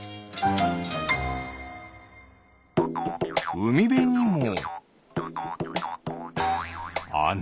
うみべにもあな。